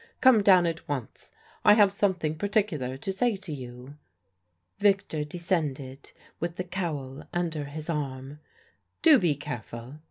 Come down at once I have something particular to say to you." Victor descended with the cowl under his arm. "Do be careful.